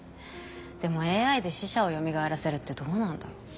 でもＡＩで死者をよみがえらせるってどうなんだろう。